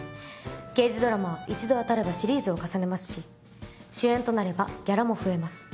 刑事ドラマは１度当たればシリーズを重ねますし主演となればギャラも増えます。